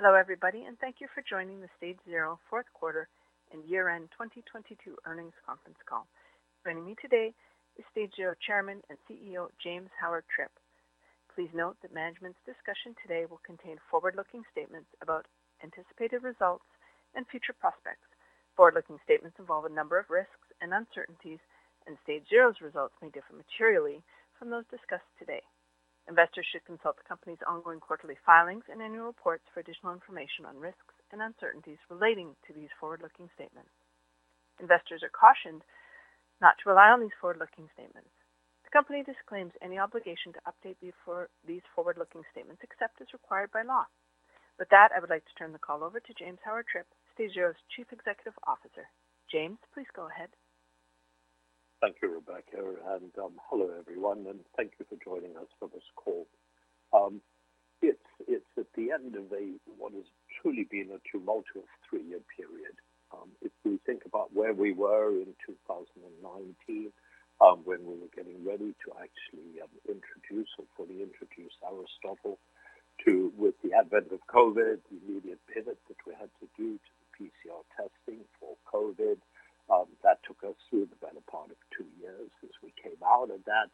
Hello everybody, thank you for joining the StageZero fourth quarter and year-end 2022 earnings conference call. Joining me today is StageZero Chairman and CEO, James Howard-Tripp. Please note that management's discussion today will contain forward-looking statements about anticipated results and future prospects. Forward-looking statements involve a number of risks and uncertainties. StageZero's results may differ materially from those discussed today. Investors should consult the company's ongoing quarterly filings and annual reports for additional information on risks and uncertainties relating to these forward-looking statements. Investors are cautioned not to rely on these forward-looking statements. The company disclaims any obligation to update these forward-looking statements except as required by law. With that, I would like to turn the call over to James Howard-Tripp, StageZero's Chief Executive Officer. James, please go ahead. Thank you, Rebecca, and hello everyone, and thank you for joining us for this call. It's at the end of a what has truly been a tumultuous three-year period. If we think about where we were in 2019, when we were getting ready to actually introduce or fully introduce Aristotle to with the advent of COVID, the immediate pivot that we had to do to the PCR testing for COVID, that took us through the better part of two years as we came out of that,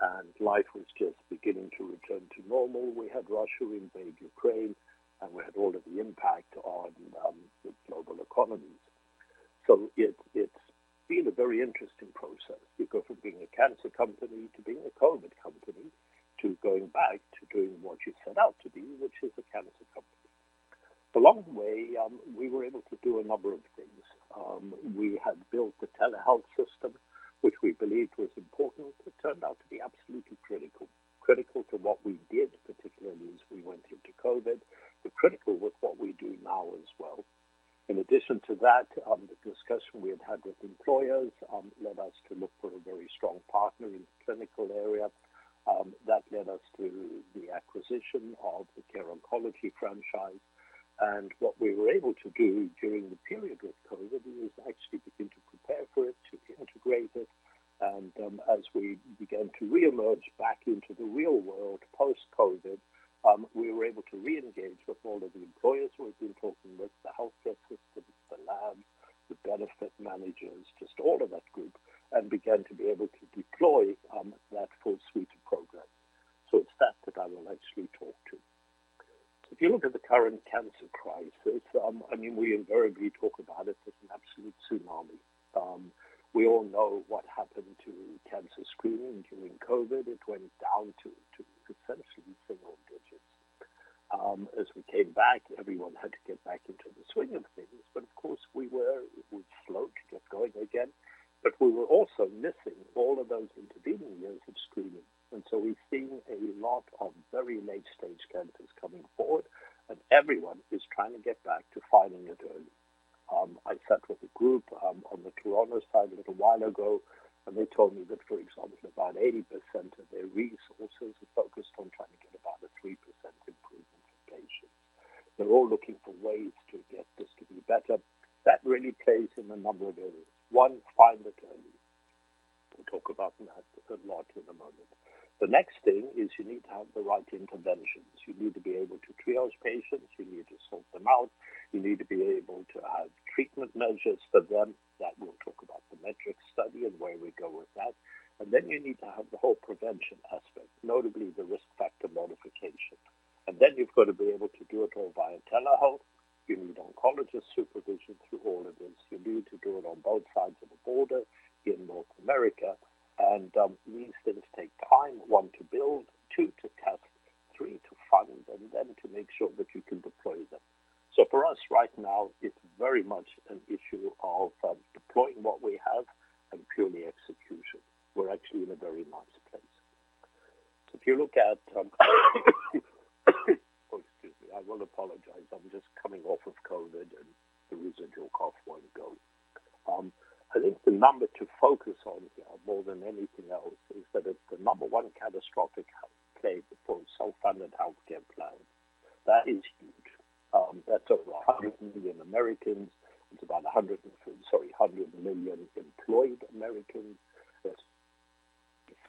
and life was just beginning to return to normal. We had Russia invade Ukraine, and we had all of the impact on the global economies. It's been a very interesting process. We go from being a cancer company to being a COVID company, to going back to doing what you set out to do, which is a cancer company. Along the way, we were able to do a number of things. We had built the telehealth system, which we believed was important. It turned out to be absolutely critical to what we did, particularly as we went into COVID, but critical with what we do now as well. In addition to that, the discussion we had had with employers, led us to look for a very strong partner in the clinical area, that led us to the acquisition of the Care Oncology franchise. What we were able to do during the period of COVID was actually begin to prepare for it, to integrate it. As we began to reemerge back into the real-world post-COVID, we were able to reengage with all of the employers we've been talking with, the healthcare systems, the labs, the benefit managers, just all of that group, and began to be able to deploy that full suite of programs. It's that I will actually talk to. If you look at the current cancer crisis, I mean, we invariably talk about it as an absolute tsunami. We all know what happened to cancer screening during COVID. It went down to essentially single digits. As we came back, everyone had to get back into the swing of things. Of course, we'd slowed to get going again. We were also missing all of those intervening years of screening. We've seen a lot of very late-stage cancers coming forward, and everyone is trying to get back to finding it early. I sat with a group on the Toronto side a little while ago, and they told me that, for example, about 80% of their resources are focused on trying to get about a 3% improvement in patients. They're all looking for ways to get this to be better. That really plays in a number of areas. One, find it early. We'll talk about that a good lot in a moment. The next thing is you need to have the right interventions. You need to be able to triage patients. You need to sort them out. You need to be able to have treatment measures for them. That we'll talk about the METRICS study and where we go with that. Then you need to have the whole prevention aspect, notably the risk factor modification. Then you've got to be able to do it all via telehealth. You need oncologist supervision through all of this. You need to do it on both sides of the border here in North America. These things take time, one, to build, two, to cap, three, to fund, and then to make sure that you can deploy them. For us right now, it's very much an issue of deploying what we have and purely execution. We're actually in a very nice place. If you look at, excuse me. I will apologize. I'm just coming off of COVID, and the residual cough won't go. I think the number one catastrophic health claim for self-funded healthcare plans. That is huge. That's over 100 million Americans. It's about 100 million employed Americans. That's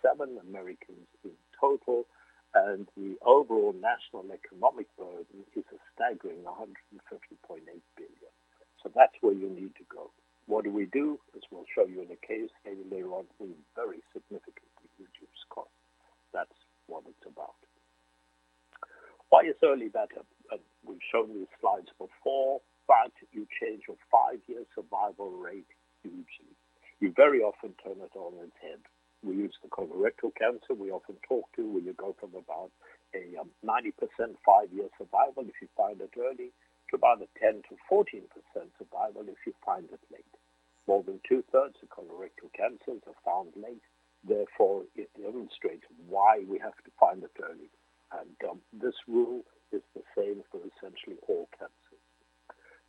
seven Americans in total. The overall national economic burden is a staggering $150.8 billion. That's where you need to go. What do we do? As we'll show you in a case study later on, we very significantly reduce cost. That's what it's about. Why is early better? We've shown these slides before. You change your five-year survival rate hugely. You very often turn it on its head. We use the colorectal cancer we often talk to, where you go from about a 90% five-year survival if you find it early to about a 10%-14% survival if you find it late. More than 2/3 of colorectal cancers are found late. Therefore, it illustrates why we have to find it early. This rule is the same for essentially all cancers.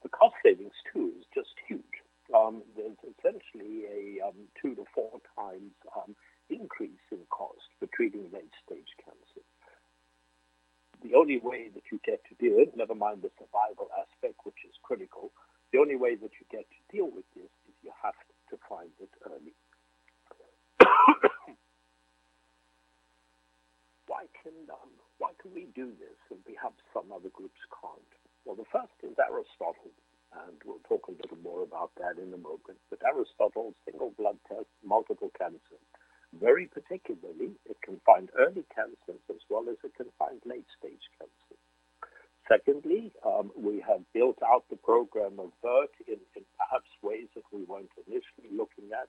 The cost savings, too, is just huge. There's essentially a 2x-4x increase in cost for treating late-stage cancer. The only way that you get to do it, never mind the survival aspect, which is critical, the only way that you get to deal with this is you have to find it early. Why can we do this and perhaps some other groups can't? Well, the first is Aristotle, and we'll talk a little more about that in a moment. Aristotle, single blood test, multiple cancer. Very particularly, it can find early cancers as well as it can find late-stage cancer. Secondly, we have built out the program of work in perhaps ways that we weren't initially looking at.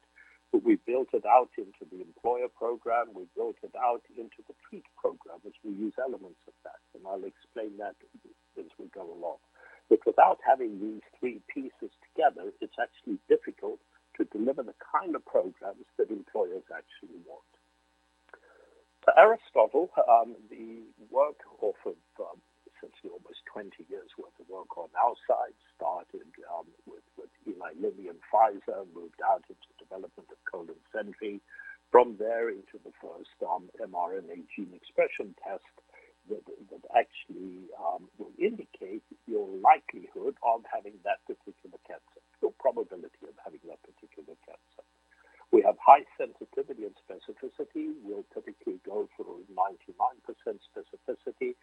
We built it out into the employer program, we built it out into the treat program, which we use elements of that. I'll explain that as we go along. Without having these three pieces together, it's actually difficult to deliver the kind of programs that employers actually want. Aristotle, the work off of, essentially almost 20 years' worth of work on our side started with Eli Lilly and Pfizer, moved out into development of ColonSentry from there into the first mRNA gene expression test that actually will indicate your likelihood of having that particular cancer, your probability of having that particular cancer. We have high sensitivity and specificity. We'll typically go for 99% specificity,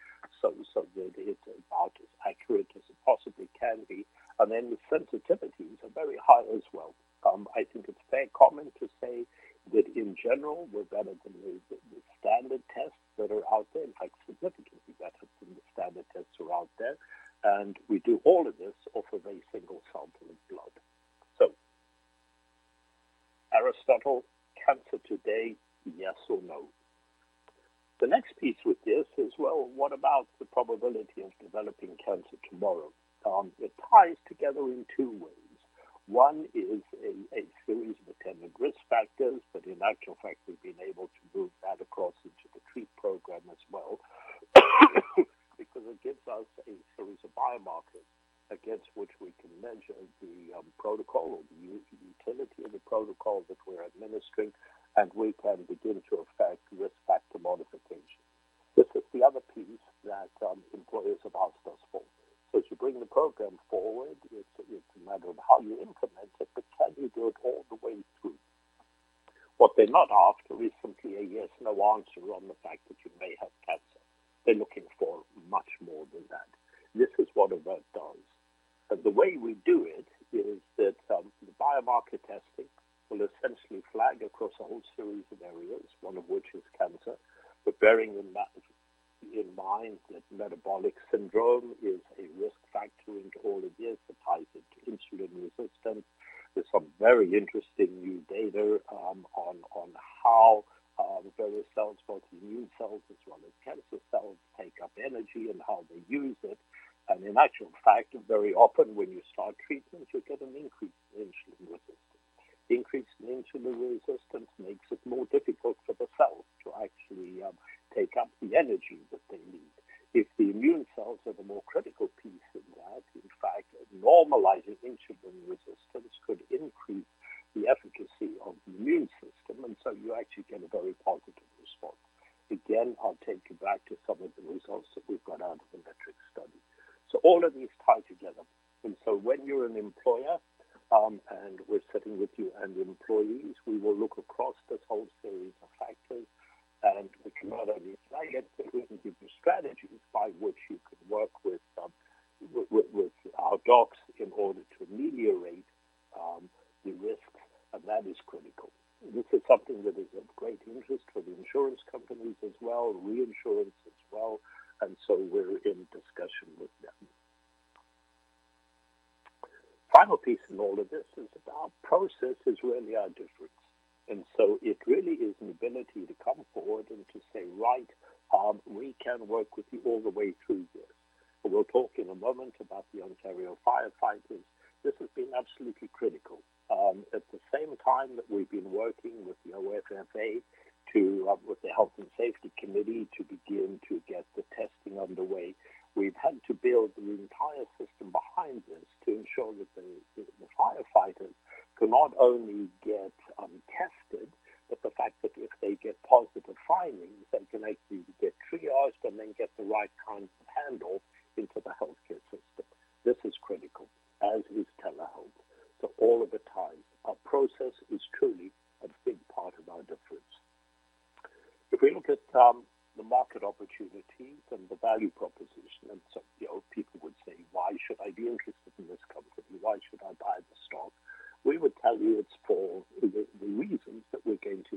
we've had to build the entire system behind this to ensure that the firefighters can not only get tested, but the fact that if they get positive findings, they can actually get triaged and then get the right kind of handle into the healthcare system. This is critical, as is telehealth. All of the time, our process is truly a big part of our difference. If we look at the market opportunities and the value proposition, you know, people would say, "Why should I be interested in this company? Why should I buy the stock?" We would tell you it's for the reasons that we're going to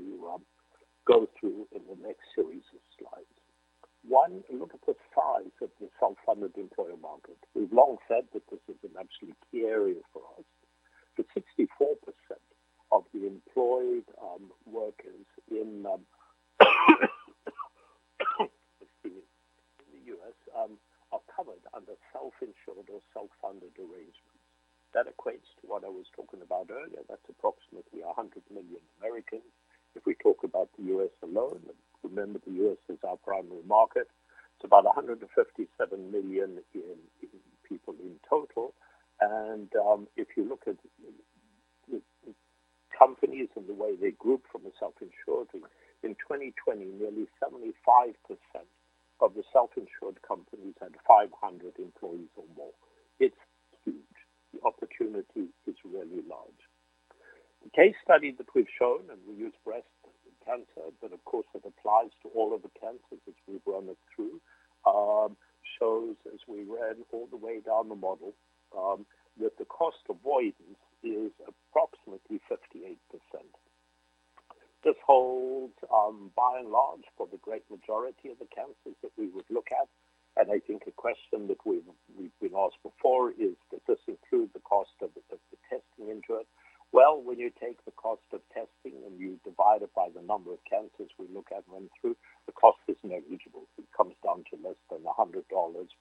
it? Well, when you take the cost of testing and you divide it by the number of cancers we look at run through, the cost is negligible. It comes down to less than $100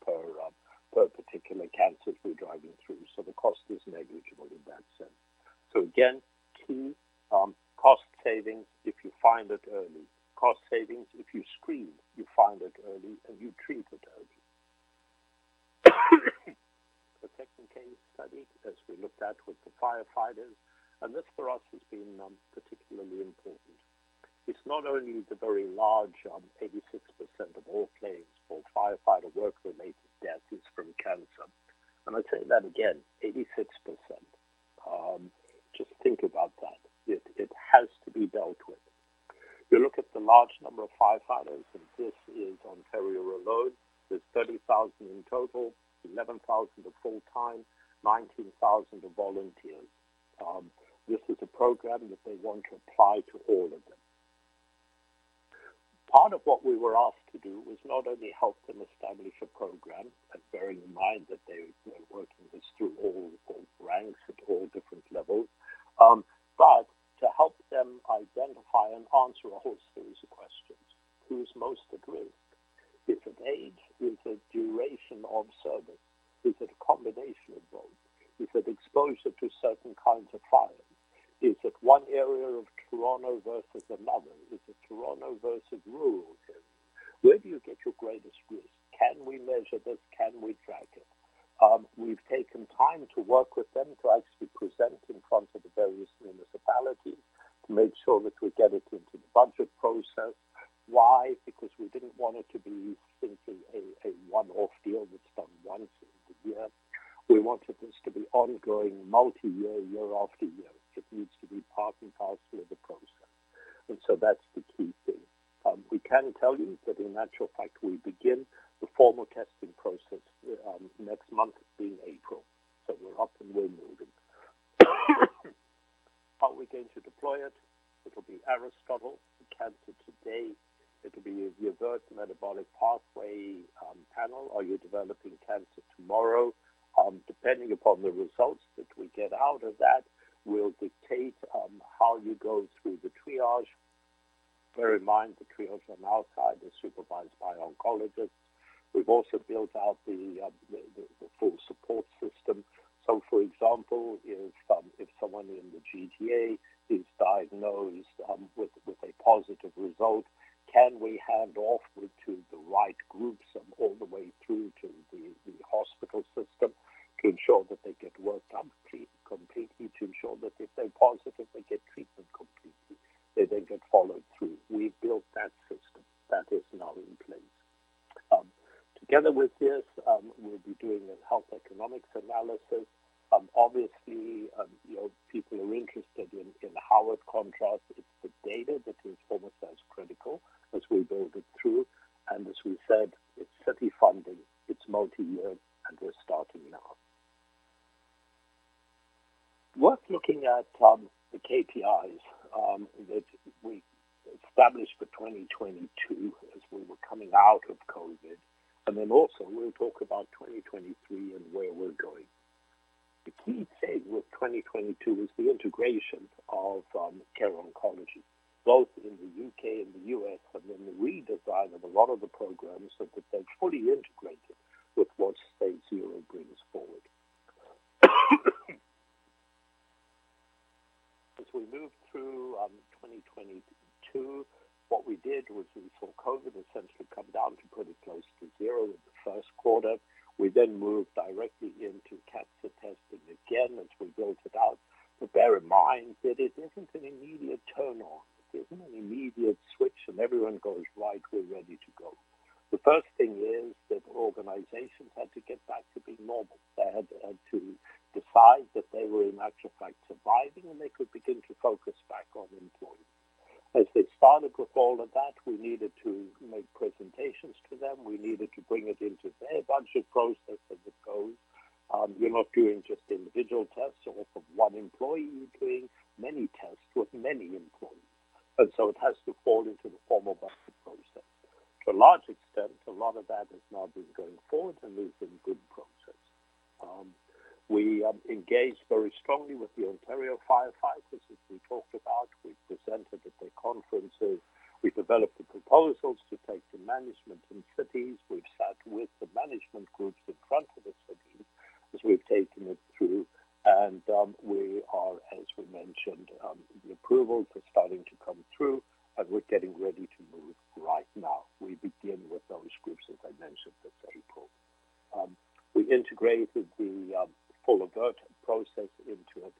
per per particular cancer through driving through. The cost is negligible in that sense. Again, key cost savings, if you find it early, cost savings, if you screen, you find it early and you treat it early. The second case study, as we looked at with the firefighters, and this for us has been particularly important. It's not only the very large, 86% of all claims for firefighter work-related deaths is from cancer. I say that again, 86%. Just think about that. It has to be dealt with. You look at the large number of firefighters, and this is Ontario alone. There's 30,000 in total, 11,000 are full-time, 19,000 are volunteers. This is a program that they want to apply to all of them. Part of what we were asked to do was not only help them establish a program and bear in mind that they were working this through all the ranks at all different levels, but to help them identify and answer a whole series of questions. Who's most at risk? Is it age? Is it duration of service? Is it a combination of both? Is it exposure to certain kinds of fires? Is it one area of Toronto versus another? Is it Toronto versus rural areas? Where do you get your greatest risk? Can we measure this? Can we track it? We've taken time to work with them to actually present in front of the various municipalities to make sure that we get it into the budget process. Why? Because we didn't want it to be simply a one-off deal that's done once a year. We wanted this to be ongoing multi-year, year after year. It needs to be part and parcel of the process. That's the key thing. We can tell you that in actual fact, we begin the formal testing process next month being April. We're off and we're moving. How are we going to deploy it? It'll be Aristotle, the cancer today. It'll be your AVRT metabolic pathway panel. Are you developing cancer tomorrow? Depending upon the results that we get out of that, will dictate how you go through the triage. Bear in mind, the triage on our side is supervised by oncologists. We've also built out the full support system. For example, if someone in the GTA is diagnosed, with a positive result, can we hand off it to the right groups, all the way through to the hospital system to ensure that they get worked up completely, to ensure that if they're positive, they get treatment completely, that they get followed through. We've built that system. That is now in place. Together with this, we'll be doing a health economics analysis. Obviously, you know, people are interested in how it contrasts. It's the data that is almost as critical as we build it through. As we said, it's city funding, its multi-year, and we're starting now. Worth looking at, the KPIs, that we established for 2022 as we were coming out of COVID. We'll talk about 2023 and where we're going. The key thing with 2022 is the integration of Care Oncology, both in the U.K. and the U.S., and then the redesign of a lot of the programs so that they're fully integrated with what StageZero brings forward. As we move through 2022, what we did was we saw COVID essentially come down to pretty close to zero in the first quarter. We then moved directly into cancer testing again as we built it out. Bear in mind that it isn't an immediate turn-on. There isn't an immediate switch, and everyone goes, "Right, we're ready to go." The first thing is that organizations had to get back to being normal. They had to decide that they were in actual fact surviving, and they could begin to focus back on employees. As they started with all of that, we needed to make presentations to them. We needed to bring it into their budget process as it goes. You're not doing just individual tests or for one employee. You're doing many tests with many employees. It has to fall into the formal budget process. To a large extent, a lot of that has now been going forward, and there's been good progress. We engaged very strongly with the Ontario Fire Fighters, as we talked about. We presented at their conferences. We developed the proposals to take to management in cities. We've sat with the management groups in front of the cities as we've taken it through. We are, as we mentioned, the approvals are starting to come through, and we're getting ready to move right now. We begin with those groups, as I mentioned, this April. We integrated the full AVRT process into it.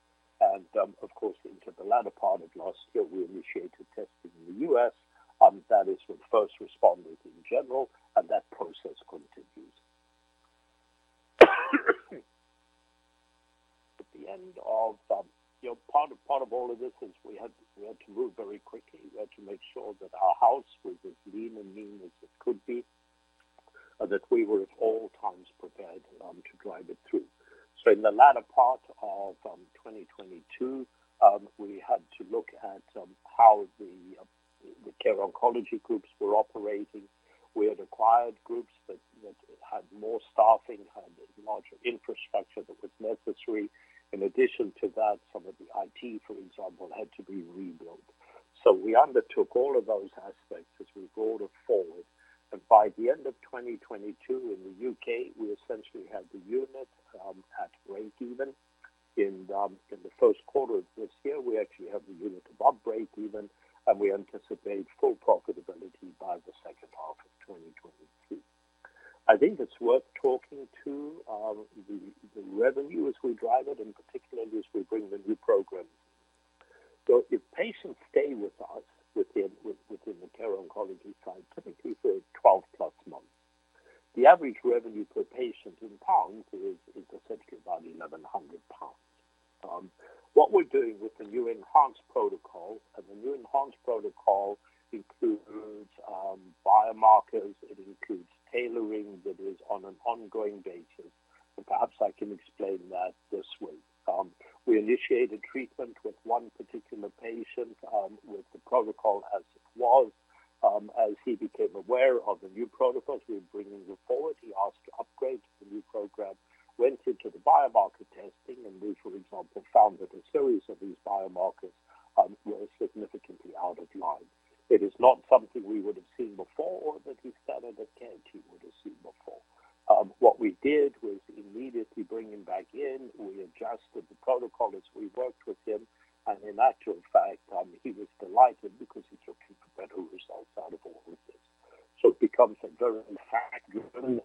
Of course, into the latter part of last year, we initiated testing in the U.S. first responders in general. That process continues. At the end of, you know, part of all of this is we had to move very quickly. We had to make sure that our house was as lean and mean as it could be, that we were at all times prepared to drive it through. In the latter part of 2022, we had to look at how the Care Oncology groups were operating. We had acquired groups that had more staffing, had larger infrastructure that was necessary. In addition to that, some of the IT, for example, had to be rebuilt. We undertook all of those aspects as we rolled it forward. By the end of 2022 in the U.K., we essentially had the unit at breakeven. In the first quarter of this year, we actually have the unit above breakeven, and we anticipate full profitability by the second half of 2023. I think it's worth talking to the revenue as we drive it, and particularly as we bring the new program. If patients because he took better results out of all of this. It becomes a very fact-driven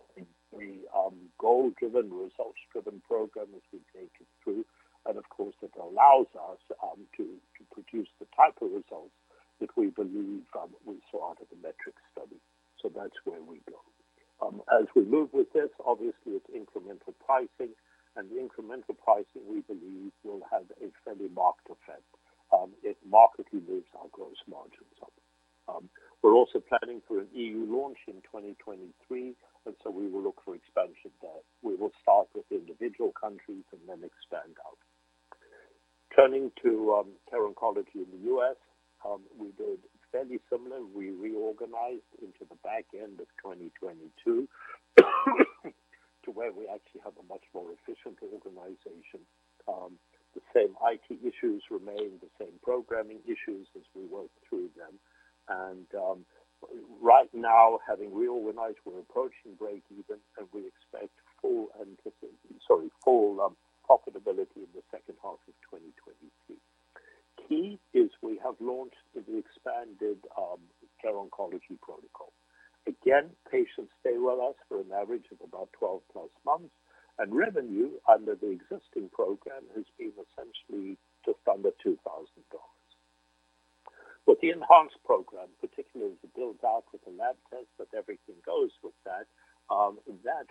With the enhanced program, particularly as it builds out with the lab tests that everything goes with that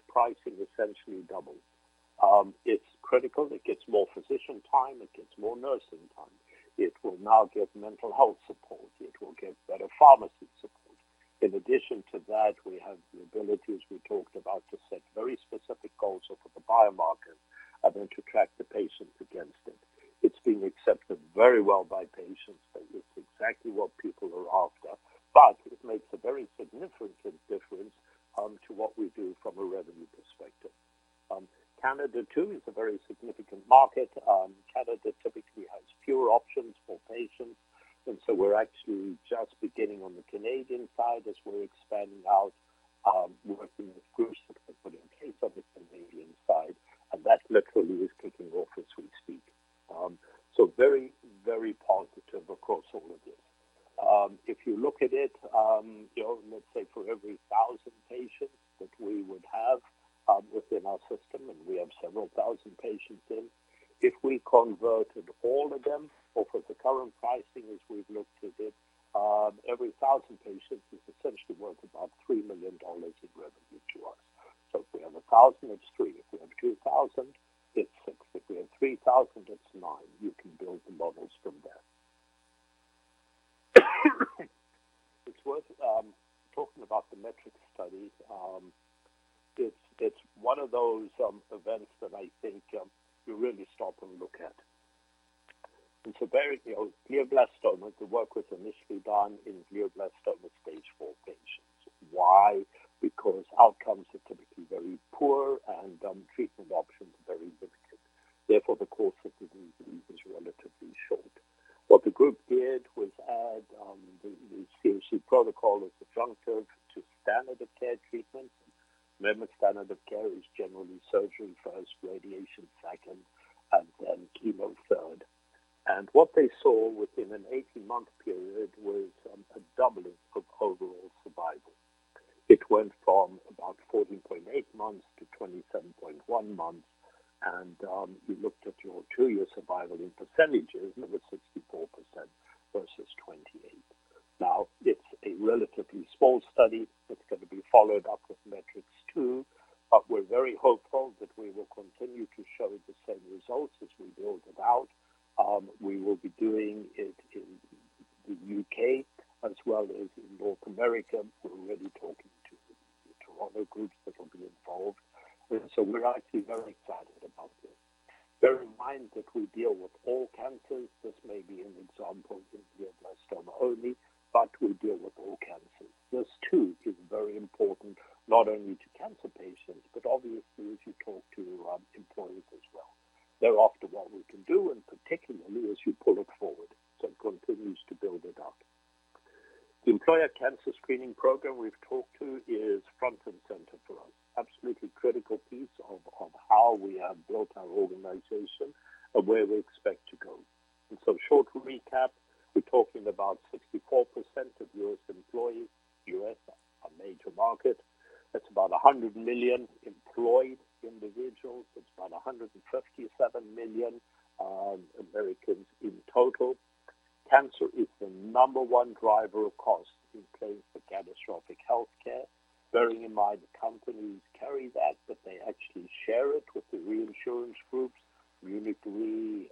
pricing essentially doubles. It's critical. It gets more physician time. It gets more nursing time. It will now give mental health support. It will give better pharmacy support. In addition to that, we have the ability, as we talked about, to set very specific goals for the biomarker and then to track the patients against it. It's been accepted very well by patients, and it's exactly what people are after. It makes a very significant difference to what we do from a revenue perspective. Canada, too, is a very significant market. Canada typically has fewer options for patients. We're actually just beginning on the Canadian side as we're expanding out, working with groups that are putting in place on the Canadian side. That literally is kicking off as we speak. Very positive across all of this. If you look at it, you know, let's say for every 1,000 patients that we would have within our system, and we have several thousand patients in, if we converted all of them or for the current pricing as we've looked at it, every 1,000 patients is essentially worth about $3 million in revenue to us. If we have 1,000, it's $3. If we have 2,000, it's six. If we have 3,000, it's nine. You can build the models from there. It's worth talking about the METRICS studies. It's one of those events that I think you really stop and look at. You know, glioblastoma, the work was initially done in glioblastoma stage four patients. Why? Because outcomes are typically very poor and treatment options are very limited. Therefore, the course of the disease is relatively short. What the group did was add the COC Protocol as adjunctive to standard of care treatment. Remember, standard of care is generally surgery first, radiation second, and then chemo third. What they saw within an 18-month period was a doubling of overall survival. It went from about 14.8 months to 27.1 months. We looked at your two-year survival in percentages, and it was 64% versus 28%. It's a relatively small study that's gonna be followed up with METRICS II, but we're very hopeful that we will continue to show the same results as we build it out. We will be doing it in the UK as well as in North America. We're already talking to the Toronto groups that will be involved. We're actually very excited about this. Bear in mind that we deal with all cancers. This may be an example of gastro only, but we deal with all cancers. This too is very important not only to cancer patients, but obviously as you talk to employers as well. They're after what we can do, and particularly as you pull it forward, so it continues to build it up. The employer cancer screening program we've talked to is front and center for us. Absolutely critical piece of how we have built our organization and where we expect to go. Short recap, we're talking about 64% of U.S. employees. U.S., our major market. That's about 100 million employed individuals. It's about 157 million Americans in total. Cancer is the number one driver of cost in claims for catastrophic health care, bearing in mind the companies carry that, but they actually share it with the reinsurance groups. Munich Re,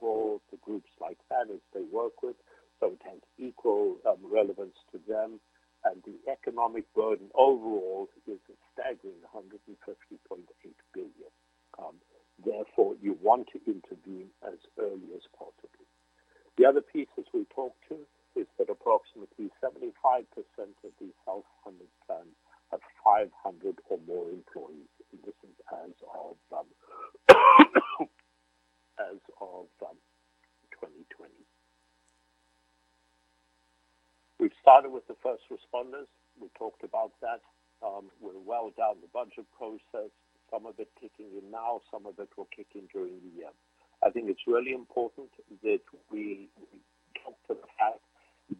SCOR, the groups like that as they work with, so it has equal relevance to them. The economic burden overall is a staggering $150.8 billion. Therefore, you want to intervene as early as possible. The other piece, as we talked to, is that approximately 75% of these self-funded plans have 500 or more employees, and this is as of 2020. We've started with the first responders. We talked about that. We're well down the budget process, some of it kicking in now, some of it will kick in during the year. I think it's really important that we come to the fact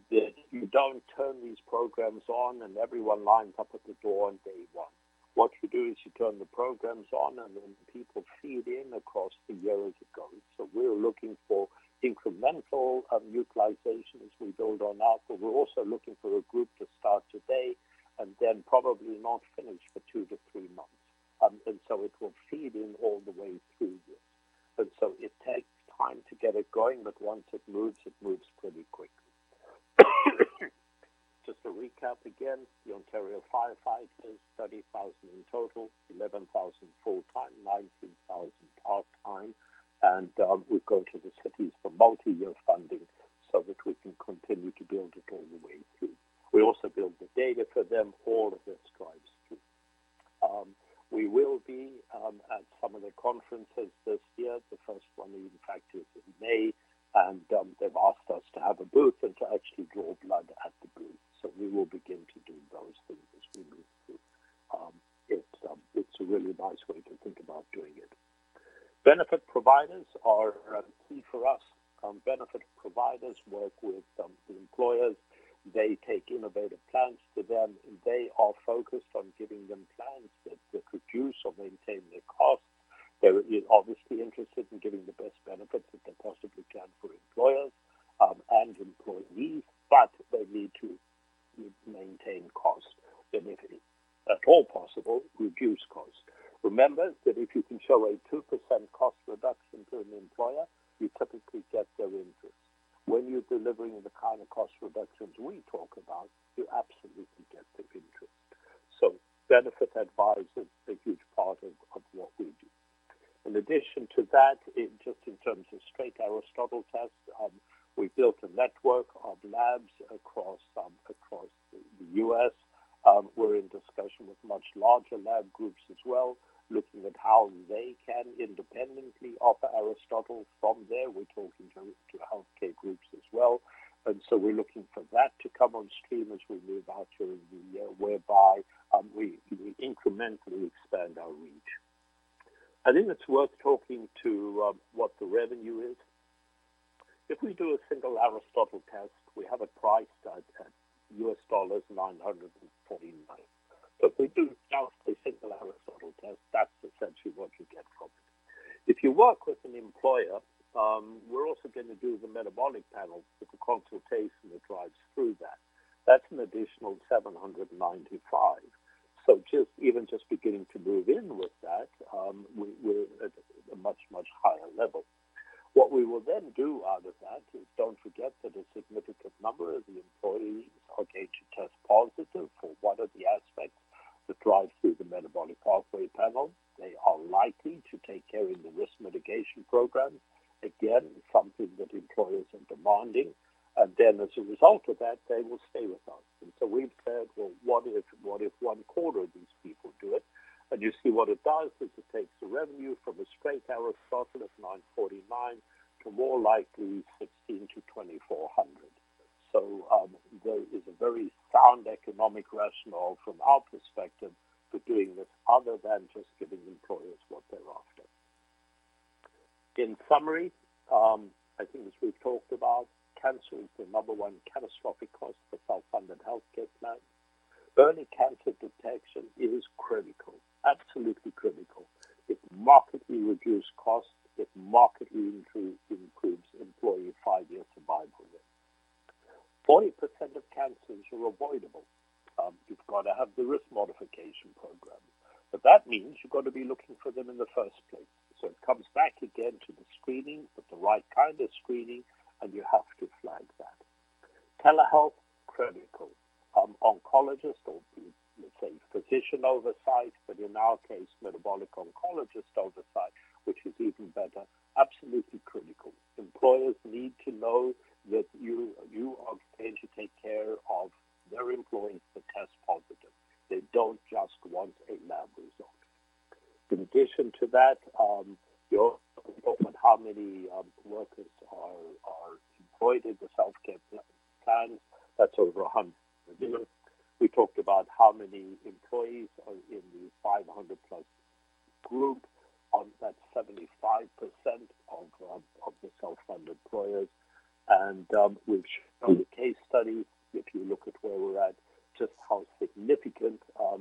that you don't turn these programs on, and everyone lines up at the door on day one. What you do is you turn the programs on, and then people feed in across the year as it goes. So, we're looking for incremental utilization as we build on out, but we're also looking for a group to start today and then probably not finish for two-three months. It will feed in all the way through this. It takes time to get it going, but once it moves, it moves pretty quickly. Just to recap again, the Ontario Fire Fighters, 30,000 in total, 11,000 full-time, 19,000 part-time, and we go to the cities for multi-year funding so that we can continue to build it all the way through. We also build the data for them, all of this drives too. We will be at some of the conferences this year. The first one, in fact, is in May, and they've asked us to have a booth and to actually draw blood at the booth. We will begin to do those things as we move through. It's a really nice way to think about doing it. Benefit providers are key for us. Benefit providers work with the employers. They take innovative plans to them. They are focused on giving them plans that reduce or maintain their costs. They're obviously interested in giving the best benefits that they possibly can for employers and employees, but they need to maintain cost. If it is at all possible, reduce cost. Remember that if you can show a 2% cost reduction to an employer, you typically get their interest. When you're delivering the kind of cost reductions we talk about, you absolutely get their interest. Benefit advice is a huge part of what we do. In addition to that, in just in terms of straight Aristotle tests, we built a network of labs across across the U.S. We're in discussion with much larger lab groups as well, looking at how they can independently offer Aristotle. From there, we're talking to healthcare groups as well. We're looking for that to come on stream as we move out during the year, whereby we incrementally expand our reach. I think it's worth talking to what the revenue is. If we do a single Aristotle test, we have it priced at $949. If we do just a single Aristotle test, that's essentially what you get from it. If you work with an employer, we're also gonna do the metabolic panel with the consultation that drives through that. That's an additional $795. Just, even just beginning to move in with that, we're at a much, much higher level. What we will do out of that is don't forget that a significant number of the employees are going to test positive for one of the aspects that drive through the Metabolic Pathway Panel. They are likely to take care in the risk mitigation program. Again, something that employers are demanding. As a result of that, they will stay with us. We've said, "Well, what if, what if one quarter of these people do it?" You see what it does is it takes the revenue from a straight Aristotle of $949 to more likely $1,600-$2,400. There is a very sound economic rationale from our perspective for doing this other than just giving employers. In summary, I think as we've talked about, cancer is the number one catastrophic cost for self-funded healthcare plans. Early cancer detection is critical, absolutely critical. It markedly reduces costs. It markedly improves employee five-year survival rate. 40% of cancers are avoidable. You've got to have the risk modification program. That means you've got to be looking for them in the first place. It comes back again to the screening, but the right kind of screening, and you have to flag that. Telehealth, critical. Oncologist or let's say physician oversight, but in our case, metabolic oncologist oversight, which is even better, absolutely critical. Employers need to know that you are going to take care of their employees that test positive. They don't just want a lab result. You're how many workers are employed in the self-care plans. That's over $100 million. We talked about how many employees are in the 500+ group. That's 75% of the, of the self-funded employers, which on the case study, if you look at where we're at, just how significant you can change the